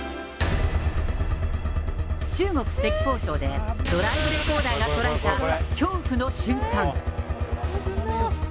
中国・浙江省でドライブレコーダーが捉えた恐怖の瞬間。